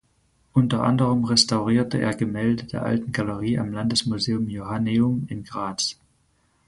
Unter anderem restaurierte er Gemälde der Alten Galerie am Landesmuseum Joanneum in Graz.